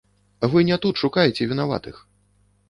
Вы не тут шукаеце вінаватых!